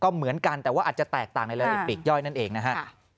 ก็เหมือนกันแต่ว่าอาจจะแตกต่างในรายละเอียดปีกย่อยนั่นเองนะฮะ